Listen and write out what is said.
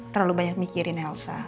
terlalu banyak mikirin elsa